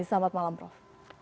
selamat malam prof